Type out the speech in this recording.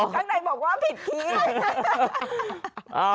ทางในบอกว่าผิดทีเลย